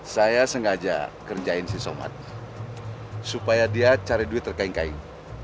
saya sengaja kerjain si somat supaya dia cari duit terkaing kaing